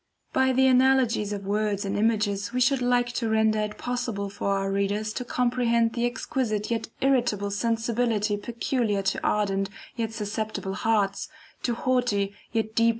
By the analogies of words and images, we should like to render it possible for our readers to comprehend the exquisite yet irritable sensibility peculiar to ardent yet susceptible hearts, to haughty yet deeply wounded souls.